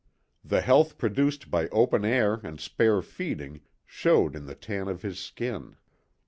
The health produced by open air and spare feeding showed in the tan of his skin.